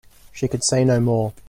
She could say no more.